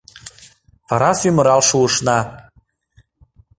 — Вара сӱмырал шуышна...